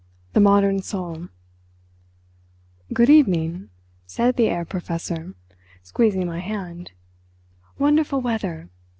THE MODERN SOUL "Good evening," said the Herr Professor, squeezing my hand; "wonderful weather!